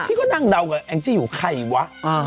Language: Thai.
พี่ก็นั่งเดากับแองจี้อยู่ใครวะ